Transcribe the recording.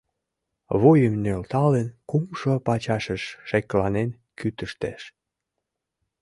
Вуйым нӧлталын, кумшо пачашыш шекланен кӱтыштеш.